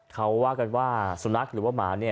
เขาว่ากันว่าสุนัขหรือว่าหมาเนี่ย